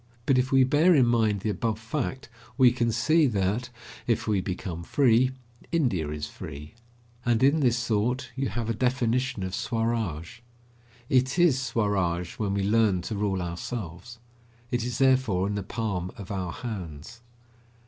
But if we bear in mind the above fact we can see that, if we become free, India is free. And in this thought you have a definition of Swaraj. It is Swaraj when we learn to rule ourselves. It is therefore in the palm of our hands.